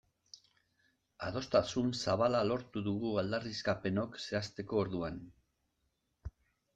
Adostasun zabala lortu dugu aldarrikapenok zehazteko orduan.